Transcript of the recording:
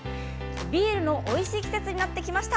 ビールのおいしい季節になってきました。